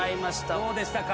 どうでしたか？